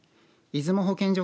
出雲保健所